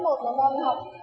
mà con học